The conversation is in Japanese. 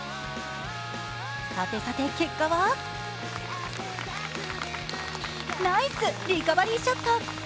さてさて、結果はナイスリカバリーショット。